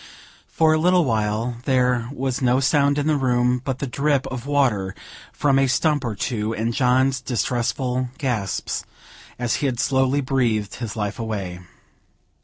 For a little while, there was no sound in the room but the drip of water, from a stump or two, and John's distressful gasps, as he slowly breathed his life away.